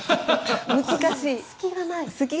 難しい。